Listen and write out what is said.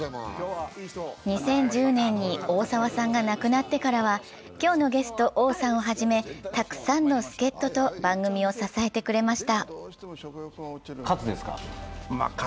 ２０１０年に大沢さんが亡くなってからは今日のゲスト、王さんを初めたくさんの助っとと番組を支えてくれました。